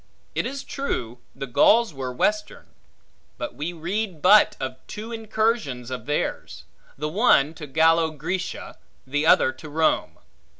It is true, the Gauls were western; but we read but of two incursions of theirs: the one to Gallo Grecia, the other to Rome.